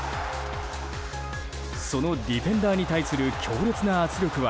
そのディフェンダーに対する強烈な圧力は